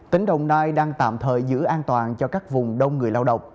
tỉnh đồng nai đang tạm thời giữ an toàn cho các vùng đông người lao động